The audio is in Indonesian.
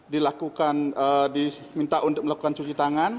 dilakukan diminta untuk melakukan cuci tangan